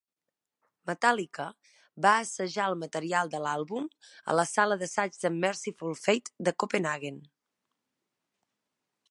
Metallica va assajar el material de l'àlbum a la sala d'assaig de Mercyful Fate de Copenhaguen.